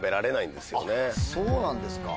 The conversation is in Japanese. そうなんですか。